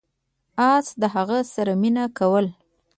اس د هغه سره مینه کوله.